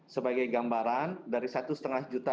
sebagai gambaran dari satu lima juta